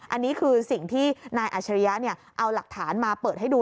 อันนี้คือสิ่งที่ท่านก็ใช้หลักฐานมาเปิดให้ดู